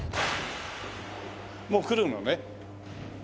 もうくるのね。